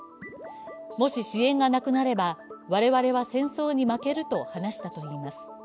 もし支援がなくなれば我々は戦争に負けると話したといいます。